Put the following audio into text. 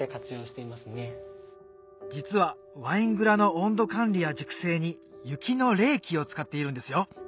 実はワイン蔵の温度管理や熟成に雪の冷気を使っているんですよ